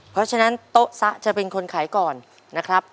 เพราะฉะนั้นโต๊ะซะจะเป็นคนขายก่อนนะครับ